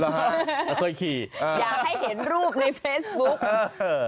หรอฮะเป้ยขี่อยากให้เห็นรูปน์ในเฟซบุ๊ค